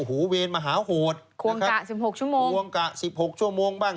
หูเวรมหาโหดควงกะสิบหกชั่วโมงควงกะสิบหกชั่วโมงบ้าง